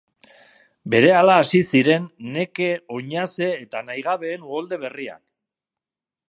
Berehala hasi ziren neke, oinaze eta nahigabeen uholde berriak.